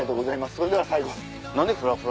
それでは最後。